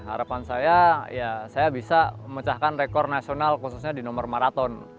harapan saya ya saya bisa memecahkan rekor nasional khususnya di nomor maraton